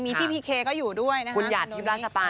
มีพี่พี่เคก็อยู่ด้วยนะ